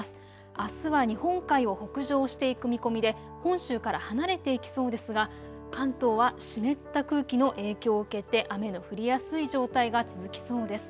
あすは日本海を北上していく見込みで本州から離れていきそうですが関東は湿った空気の影響を受けて雨の降りやすい状態が続きそうです。